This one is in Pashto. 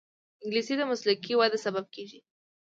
انګلیسي د مسلکي وده سبب کېږي